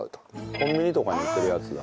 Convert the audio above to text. コンビニとかに売ってるやつだ。